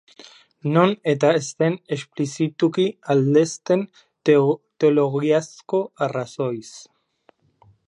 Non eta ez den esplizituki aldezten teologiazko arrazoiz.